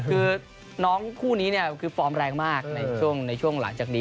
คือน้องคู่นี้คือฟอร์มแรงมากในช่วงหลังจากนี้